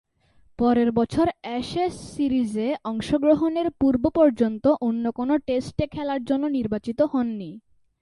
পরের বছর অ্যাশেজ সিরিজে অংশগ্রহণের পূর্ব-পর্যন্ত অন্য কোন টেস্টে খেলার জন্য নির্বাচিত হননি।